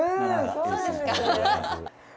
そうですか。